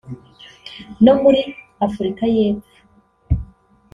no muri Afurika y’Epfo